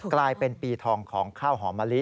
กลายเป็นปีทองของข้าวหอมมะลิ